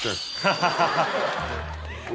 ハハハハ。